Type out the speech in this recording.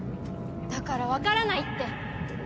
だからわからないって！